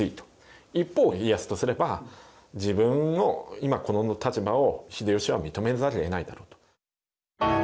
一方家康とすれば自分の今この立場を秀吉は認めざるをえないだろうと。